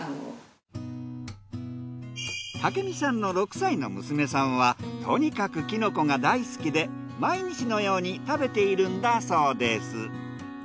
武見さんの６歳の娘さんはとにかくキノコが大好きで毎日のように食べているんだそうです。